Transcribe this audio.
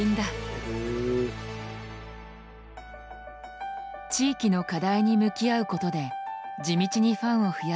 地域の課題に向き合うことで地道にファンを増やしてきたスピアーズ。